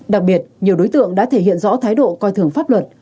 đặc biệt nhiều đối tượng đã thể hiện rõ thái độ coi thường pháp luật